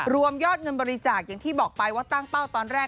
รวมยอดเงินบริจาคอย่างที่บอกไปว่าตั้งเป้าตอนแรก